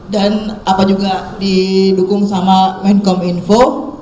dan apa juga didukung sama menkom info